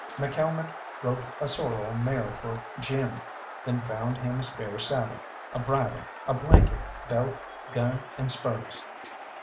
McCalmont roped a sorrel mare for Jim, then found him a spare saddle, a bridle, a blanket, belt, gun, and spurs.